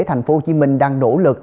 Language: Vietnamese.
thành phố hồ chí minh đang nỗ lực